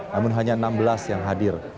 namun hanya enam belas yang hadir